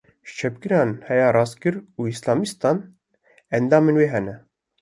Ji çepgiran heya rastgir û Îslamîstan, endamên wê hene